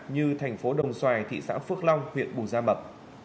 như thành phố đồng xoài thị xã phước long huyện bù gia mập